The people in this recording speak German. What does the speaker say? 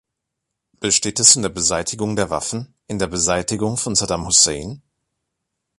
Besteht es in der Beseitigung der Waffen, in der Beseitigung von Saddam Hussein?